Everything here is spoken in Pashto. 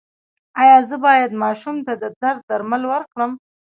ایا زه باید ماشوم ته د درد درمل ورکړم؟